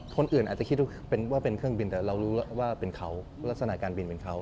คนอื่นอาจจะคิดว่าเป็นเครื่องบินแต่เรารู้ว่าเป็นเขาลักษณะการบินเป็นเขา